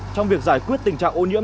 trong việc giải quyết tình trạng ô nhiễm